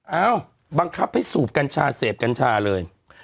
เอ้าบังคับให้สูบกัญชาเสพกัญชาเลย